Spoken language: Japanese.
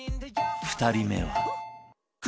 ２人目は